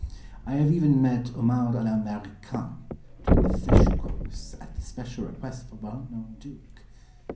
I have even met homard à l'Américaine, during the fish course, at the special request of a well known Duke.